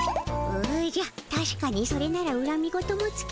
おじゃたしかにそれならうらみ言もつきぬであろうの。